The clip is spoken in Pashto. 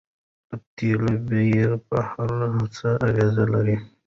د تیلو بیې په هر څه اغیز لري.